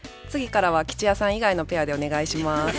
次からは吉弥さん以外のペアでお願いします。